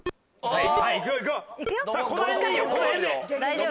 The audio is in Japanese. はい！